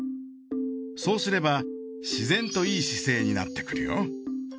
そうすれば自然といい姿勢になってくるよ。